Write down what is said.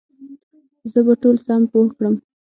زه به ټول سم پوه کړم